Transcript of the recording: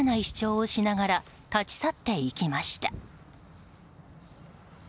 主張をしながら立ち去っていきました。